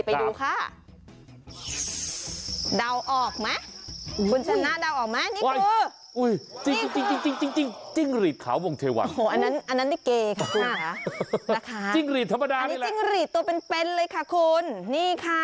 ไปดูค่ะ